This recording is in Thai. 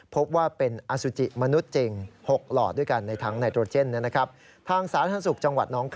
พบว่าเป็นอสุจิมนุษย์จริง๖หลอดด้วยกันในทั้งไนโตรเจนนะครับ